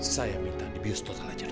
saya minta di bios total aja dong